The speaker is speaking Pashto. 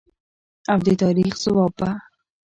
او د تاریخ ځواب به